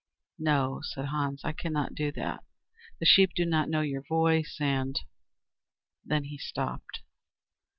"No," said Hans, "I cannot do that. The sheep do not know your voice and " Then he stopped.